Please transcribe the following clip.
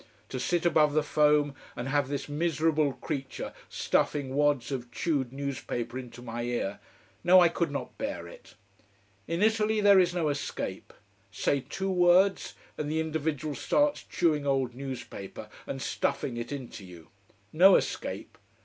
To sit above the foam and have this miserable creature stuffing wads of chewed newspaper into my ear no, I could not bear it. In Italy, there is no escape. Say two words, and the individual starts chewing old newspaper and stuffing it into you. No escape.